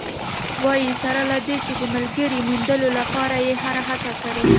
وايي، سره له دې چې د ملګرې موندلو لپاره یې هره هڅه کړې